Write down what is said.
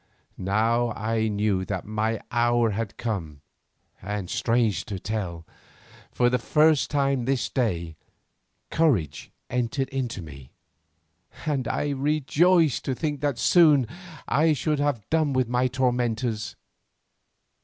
Now I knew that my hour had come, and strange to tell, for the first time this day courage entered into me, and I rejoiced to think that soon I should have done with my tormentors.